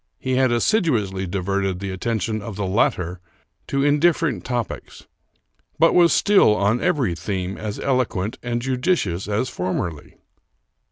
He had assiduously diverted the attention of the latter to indifferent topics, but was still, on every theme, as eloquent and judicious as formerly.